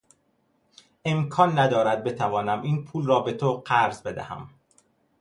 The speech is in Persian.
امکان ندارد بتوانم این پول را به تو قرض بدهم.